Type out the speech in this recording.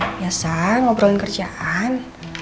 biasa ngobrolin kerjaan